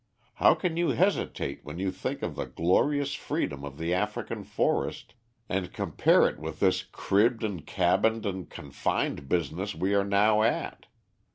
How can you hesitate when you think of the glorious freedom of the African forest, and compare it with this cribbed and cabined and confined business we are now at?"